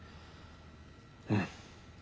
うん。